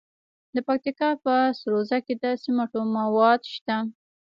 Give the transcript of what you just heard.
د پکتیکا په سروضه کې د سمنټو مواد شته.